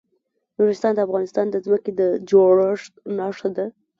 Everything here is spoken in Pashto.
نورستان د افغانستان د ځمکې د جوړښت نښه ده.